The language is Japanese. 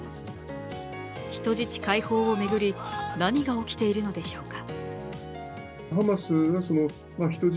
人質解放を巡り、何が起きているのでしょうか。